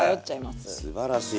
すばらしい。